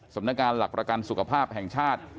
สำนักงานหลักประกันสุขภาพแห่งชาติ